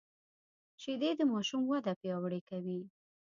شیدې د ماشوم وده پیاوړې کوي